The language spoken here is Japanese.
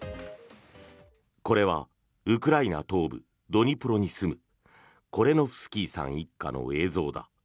これはウクライナ東部ドニプロに住むコレノフスキーさん一家の映像だ。